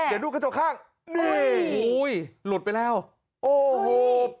เดี๋ยวดูกระจกข้างนี่โอ้โหหลุดไปแล้วโอ้โห